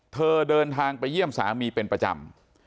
เดินทางไปเยี่ยมสามีเป็นประจำ